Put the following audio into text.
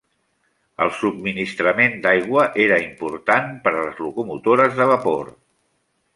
El subministrament d'aigua era important per a les locomotores de vapor.